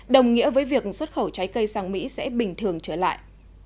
đồng nghĩa với việc xuất khẩu trái cây sang mỹ sẽ bình thường trở lại